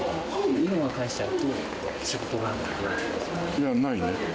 今返しちゃうと仕事が？いや、ないね。